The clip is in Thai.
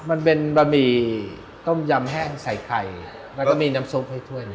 มันเป็นบะหมี่ต้มยำแห้งใส่ไข่แล้วก็มีน้ำซุปให้ถ้วยนะ